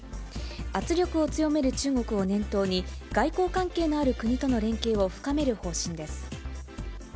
圧力を強める中国を念頭に、外交関係のある国との連携を深める方針です。